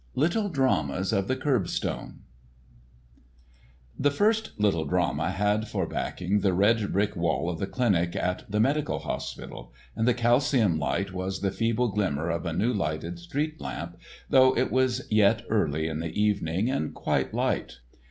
*Little Dramas of the Curbstone* The first Little Drama had for backing the red brick wall of the clinic at the Medical Hospital, and the calcium light was the feeble glimmer of a new lighted street lamp, though it was yet early in the evening and quite light.